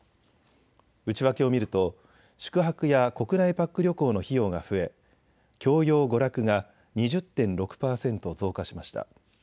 内訳を見ると宿泊や国内パック旅行の費用が増え教養娯楽が２０．６％増加しました。